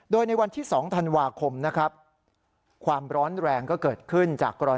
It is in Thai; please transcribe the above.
โดยในวันที่๒ธันวาคมความร้อนแรงก็เกิดขึ้น